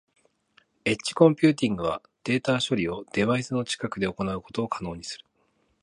エッジコンピューティングはデータ処理をデバイスの近くで行うことを可能にする。